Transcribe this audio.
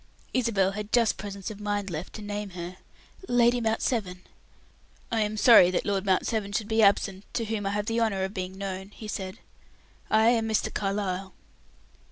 Isabel had just presence of mind left to name her: "Lady Mount Severn." "I am sorry that Lord Mount Severn should be absent, to whom I have the honor of being known," he said. "I am Mr. Carlyle."